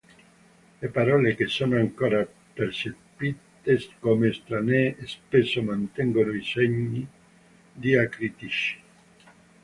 Le parole che sono ancora percepite come estranee spesso mantengono i segni diacritici.